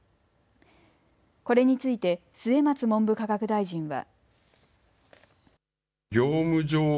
これについて末松文部科学大臣は。